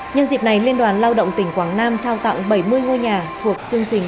nhân dịp này liên đoàn lao động tỉnh quảng nam trao tặng bảy mươi ngôi nhà thuộc chương trình